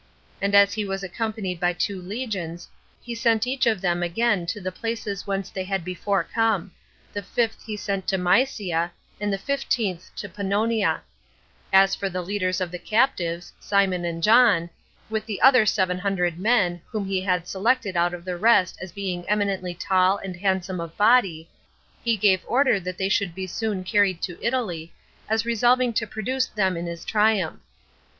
And as he was accompanied by two legions, he sent each of them again to the places whence they had before come; the fifth he sent to Mysia, and the fifteenth to Pannonia: as for the leaders of the captives, Simon and John, with the other seven hundred men, whom he had selected out of the rest as being eminently tall and handsome of body, he gave order that they should be soon carried to Italy, as resolving to produce them in his triumph.